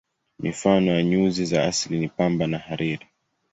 Mifano ya nyuzi za asili ni pamba na hariri.